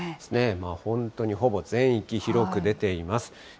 本当にほぼ全域、広く出ています。